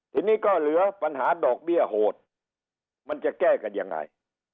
ทีนี้ก็เหลือปัญหาดอกเบี้ยโหดมันจะแก้กันยังไง